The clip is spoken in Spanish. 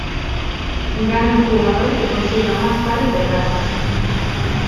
Gana el jugador que consiga más pares de cartas.